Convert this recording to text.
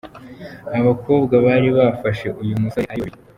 Aba bakobwa bari bafashe uyu musore ari babiri.